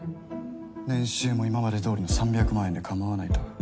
年収も今までどおりの３００万円でかまわないと？